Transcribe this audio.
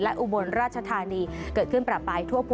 ฮัลโหลฮัลโหลฮัลโหล